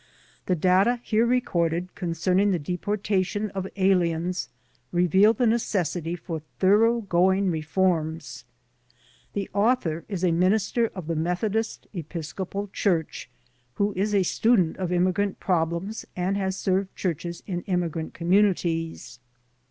The data here recorded concerning the deportation of aliens reveal the necessity for thoroughgoing reforms. The author is a minister of the Methodist Episcopal Qiurch, who is a student of immigrant problems and has served churches in immigrant communities.